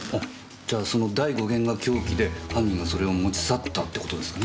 じゃあその第５弦が凶器で犯人がそれを持ち去ったって事ですかね？